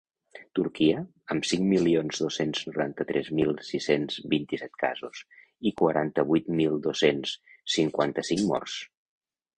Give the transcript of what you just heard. Turquia, amb cinc milions dos-cents noranta-tres mil sis-cents vint-i-set casos i quaranta-vuit mil dos-cents cinquanta-cinc morts.